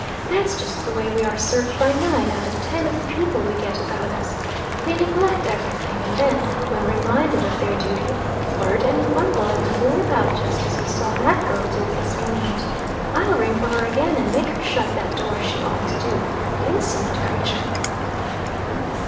"That's just the way we are served by nine out of ten of the people we get about us. They neglect every thing, and then, when reminded of their duty, flirt, and grumble, and fling about just as you saw that girl do this moment. I'll ring for her again, and make her shut that door as she ought to do, the insolent creature!"